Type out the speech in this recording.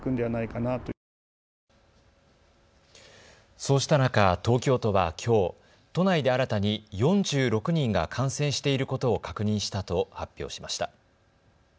そうした中、東京都はきょう都内で新たに４６人が感染していることを確認したと発表しました。